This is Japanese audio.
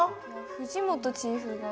藤本チーフが。